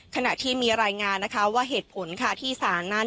ขณะที่มีรายงานนะคะว่าเหตุผลค่ะที่ศาลนั้น